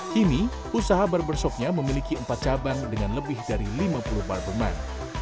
kini usaha barbershopnya memiliki empat cabang dengan lebih dari lima puluh barberman